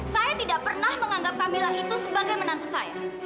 saya tidak pernah menganggap kamila itu sebagai menantu saya